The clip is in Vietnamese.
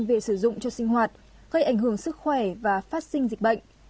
về sử dụng cho sinh hoạt gây ảnh hưởng sức khỏe và phát sinh dịch bệnh